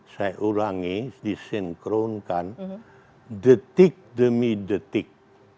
saya ulangi disinkronkan detik demi detik